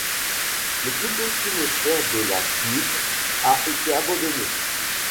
Le plus petit moteur de la Snipe a été abandonné.